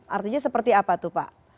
artinya seperti apa tuh pak